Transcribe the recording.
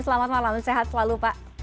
selamat malam sehat selalu pak